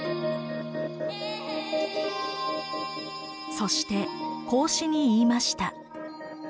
そして孔子に言いました。